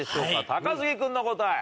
高杉君の答え。